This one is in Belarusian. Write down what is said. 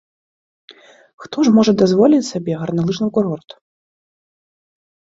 Хто ж можа дазволіць сабе гарналыжны курорт?